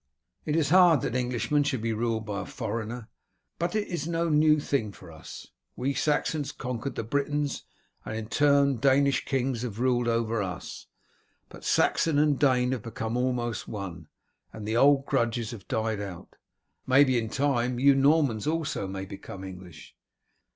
It is hard that Englishmen should be ruled by a foreigner, but it is no new thing for us. We Saxons conquered the Britons, and in turn Danish kings have ruled over us; but Saxon and Dane have become almost one, and the old grudges have died out. Maybe in time you Normans also may become English."